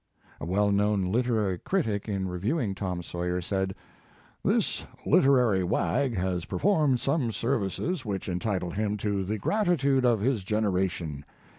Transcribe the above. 126 Mark Twain A well known literary critic in review ing "Tom Sawyer/ said: "This literary wag has performed some services which entitle him to the gratitude of his genera tion.